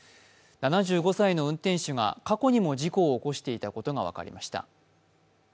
７５歳の運転手が過去にも事故を起こしていたことが分かりました。